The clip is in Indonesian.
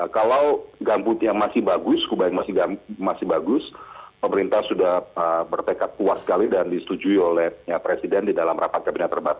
kalau gambutnya masih bagus kubah yang masih bagus pemerintah sudah bertekad puas sekali dan disetujui oleh presiden di dalam rapat kabinet terbatas